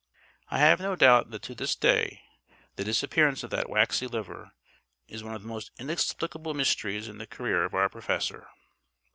I have no doubt that to this day the disappearance of that waxy liver is one of the most inexplicable mysteries in the career of our Professor.